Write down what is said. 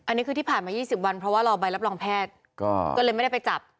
อันนี้คือที่ผ่านมา๒๐วันเพราะว่ารอใบรับรองแพทย์ก็เลยไม่ได้ไปจับ